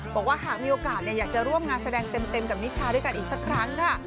บอกว่าหากมีโอกาสอยากจะร่วมงานแสดงเต็มกับนิชาด้วยกันอีกสักครั้งค่ะ